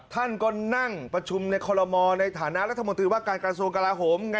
ท่านก็นั่งประชุมในคอลโมในฐานะรัฐมนตรีว่าการกระทรวงกลาโหม